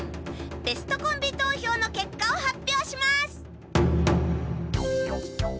ベストコンビ投票のけっかを発表します！